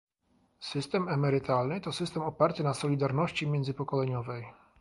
System emerytalny to system oparty na solidarności międzypokoleniowej